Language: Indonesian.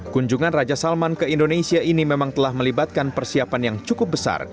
kunjungan raja salman ke indonesia ini memang telah melibatkan persiapan yang cukup besar